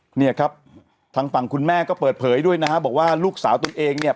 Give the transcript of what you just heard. เนี่ยครับทางฝั่งคุณแม่ก็เปิดเผยด้วยนะฮะบอกว่าลูกสาวตัวเองเนี่ย